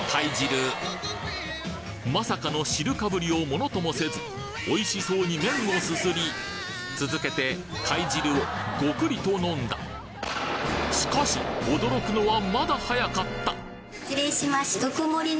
まさかの汁かぶりをものともせずおいしそうに麺をすすり続けて貝汁をゴクリと飲んだしかし失礼します。